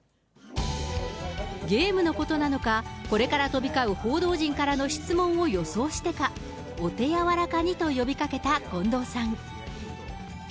ゲームのことなのか、これから飛び交う報道陣からの質問を予想してか、お手柔らかにと呼びかけた近藤さん。